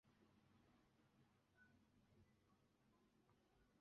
梳棉棉条的直径并不是完全均匀的。